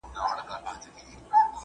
هغه په خپل کار بوخت دی.